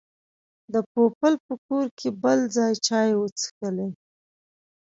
د پوپل په کور کې بل ځل چای وڅښلې.